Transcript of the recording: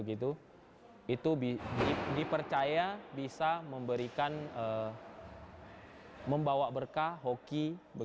itu dipercaya bisa memberikan membawa berkah hoki